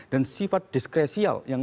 dan sifat diskresial yang